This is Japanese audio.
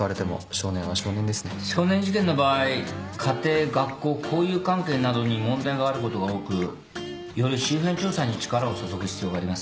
少年事件の場合家庭学校交友関係などに問題があることが多くより周辺調査に力を注ぐ必要があります。